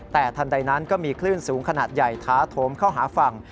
แต่ทันใดนั้นก็มีคลื่นสูงขนาดใหญ่ท้าโถมเข้าหาฝั่ง